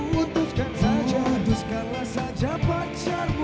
putuskanlah saja pacarmu